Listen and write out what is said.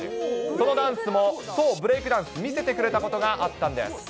そのダンスも、そう、ブレイクダンス、見せてくれたことがあったんです。